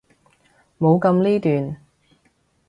冇噉呢段！